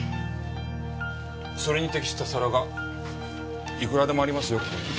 それに適した皿がいくらでもありますよ。